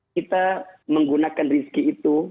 kita menggunakan rizki itu